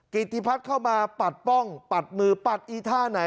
กิติพัฒน์เข้ามาปัดป้องปัดมือปัดอีท่าไหน